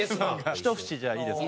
ひと節じゃあいいですか？